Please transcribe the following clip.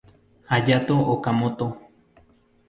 Hayato Okamoto